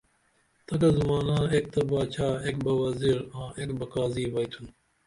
تگہ زُمانہ ایک تہ باچا، ایک بہ وزیر آں ایک بہ قاضی بئیتُھن